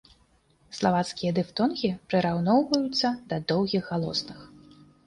Славацкія дыфтонгі прыраўноўваюцца да доўгіх галосных.